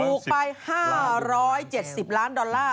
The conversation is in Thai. ถูกไป๕๗๐ล้านดอลลาร์